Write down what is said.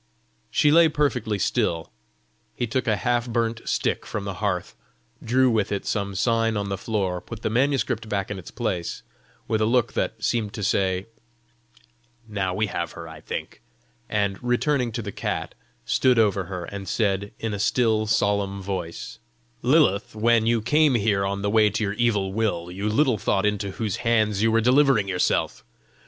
She lay perfectly still. He took a half burnt stick from the hearth, drew with it some sign on the floor, put the manuscript back in its place, with a look that seemed to say, "Now we have her, I think!" and, returning to the cat, stood over her and said, in a still, solemn voice: "Lilith, when you came here on the way to your evil will, you little thought into whose hands you were delivering yourself!